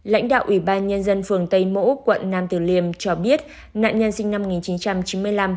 lãnh đạo ủy ban nhân dân phường tây mỗ quận nam tử liêm cho biết nạn nhân sinh năm một nghìn chín trăm chín mươi năm